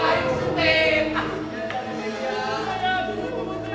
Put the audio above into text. jangan lupa main di sini ya kok